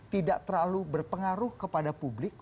tidak terlalu berpengaruh kepada publik